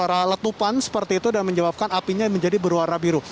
tadi sempat meluarkan suara letupan seperti itu dan menyebabkan apinya menjadi berwarna biru